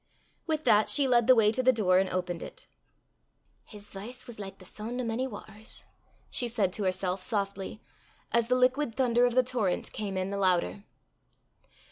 With that she led the way to the door and opened it. "His v'ice was like the soon' o' mony watters," she said to herself softly, as the liquid thunder of the torrent came in the louder.